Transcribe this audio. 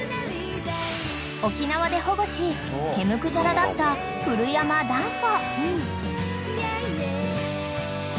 ［沖縄で保護し毛むくじゃらだった古山ダンボ］